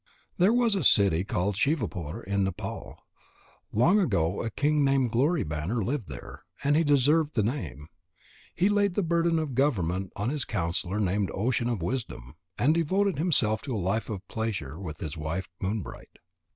There was a city called Shivapur in Nepal. Long ago a king named Glory banner lived there, and he deserved the name. He laid the burden of government on his counsellor named Ocean of Wisdom, and devoted himself to a life of pleasure with his wife Moonbright.